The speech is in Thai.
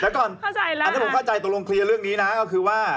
คุณบอกไม่ไปแล้วไม่ไปนะคุณจะถ่ายพรุ่งนี้แล้ว